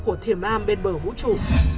của thiền am bên bờ vũ trụ